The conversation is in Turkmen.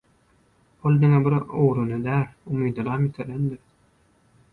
Ol diňe bir ugruny däl, umydynam ýitirendir.